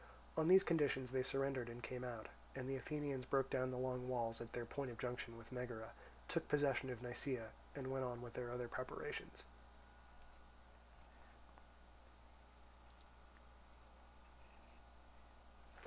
On these conditions they surrendered and came out, and the Athenians broke down the long walls at their point of junction with Megara, took possession of Nisaea, and went on with their other preparations.